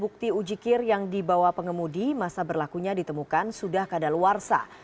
bukti ujikir yang dibawa pengemudi masa berlakunya ditemukan sudah kadal warsa